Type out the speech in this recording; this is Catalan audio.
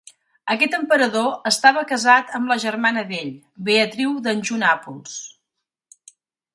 Aquest emperador estava casat amb la germana d'ell, Beatriu d'Anjou-Nàpols.